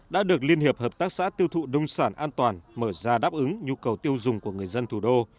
đã được liên hiệp hợp tác xã tiêu thụ nông sản an toàn mở ra đáp ứng nhu cầu tiêu dùng của người dân thủ đô